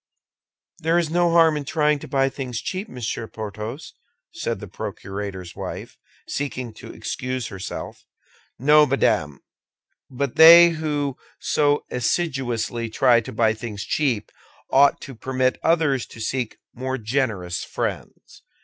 "There is no harm in trying to buy things cheap, Monsieur Porthos," said the procurator's wife, seeking to excuse herself. "No, madame; but they who so assiduously try to buy things cheap ought to permit others to seek more generous friends."